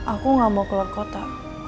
aku gak mau keluar kota